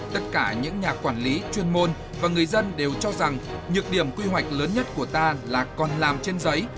tất cả những nhà quản lý chuyên môn và người dân đều cho rằng nhược điểm quy hoạch lớn nhất của ta là còn làm trên giấy